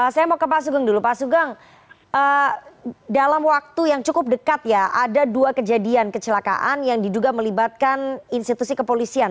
saya mau ke pak sugeng dulu pak sugeng dalam waktu yang cukup dekat ya ada dua kejadian kecelakaan yang diduga melibatkan institusi kepolisian